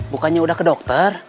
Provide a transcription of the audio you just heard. bukannya udah ke dokter